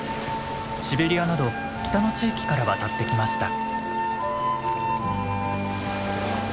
シベリアなど北の地域から渡ってきました。